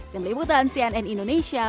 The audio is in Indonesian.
kemelibutan cnn indonesia